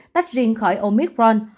tách riêng khỏi omicron